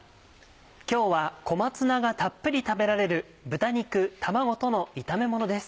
今日は小松菜がたっぷり食べられる豚肉卵との炒めものです。